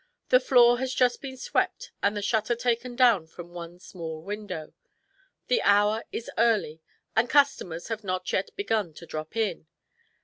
The floor has just been swept and the shutter taken down from the one small window. The hour is early, and customers have not yet begun to drop in.